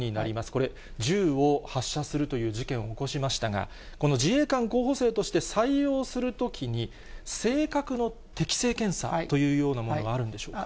これ、銃を発射するという事件を起こしましたが、この自衛官候補生として採用するときに、性格の適性検査というようなものはあるんでしょうか。